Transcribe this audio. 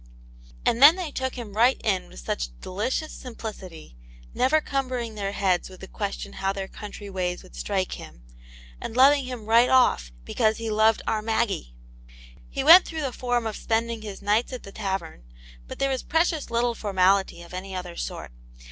And then they took him right in with such deli cious simplicity, never cumbering their heads with the question how their country ways would strike Tiim, and loving him right ofE b^c^acvx^^ Vi.^ Vssi^^ ^>^ 93 Attnt Jane's Hero. Maggie! He went through the form of spending his nights at the tavern, but there was precious little formality of any other sort.